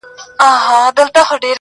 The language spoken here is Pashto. o د غنمو د رويه ځوز هم اوبېږي.